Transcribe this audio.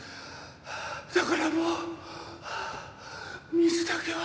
ハァだからもうハァ水だけは。